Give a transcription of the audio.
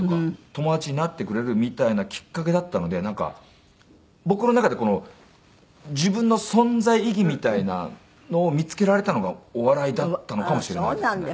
友達になってくれるみたいなきっかけだったのでなんか僕の中でこの自分の存在意義みたいなのを見つけられたのがお笑いだったのかもしれないですね。